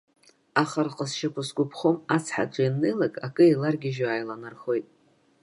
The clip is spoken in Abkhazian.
Аха рҟазшьақәа сгәаԥхом, ацҳаҿы ианнеилакь акы еиларгьежьуа иааиланархоит.